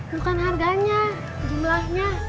bukan harganya jumlahnya